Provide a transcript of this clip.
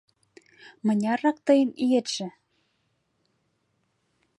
Мыняррак тыйын иетше?